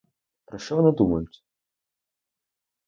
Про що вони думають?